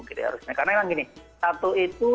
karena yang gini tatu itu